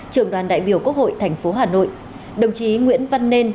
trưởng đoàn đại biểu quốc hội tp hà nội đồng chí nguyễn văn nên